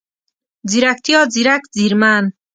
ځيرکتيا، ځیرک، ځیرمن،